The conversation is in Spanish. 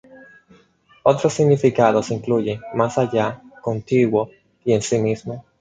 Otros significados incluyen "más allá", "contiguo" y "en sí mismo".